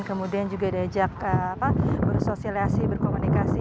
kemudian juga diajak bersosiasi berkomunikasi